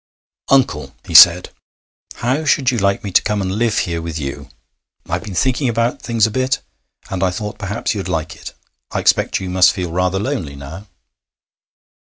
'Uncle,' he said, 'how should you like me to come and live here with you? I've been thinking things out a bit, and I thought perhaps you'd like it. I expect you must feel rather lonely now.'